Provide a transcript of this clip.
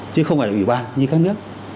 chứ không phải là ủy ban như các nước